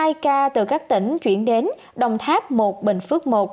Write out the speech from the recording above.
tại tp hcm hai ca từ các tỉnh chuyển đến đồng tháp một bình phước một